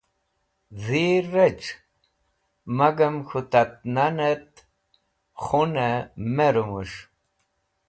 Dhir rech magam k̃hũ tat nanẽt khunẽ me rũmũs̃h